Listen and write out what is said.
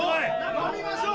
・飲みましょう！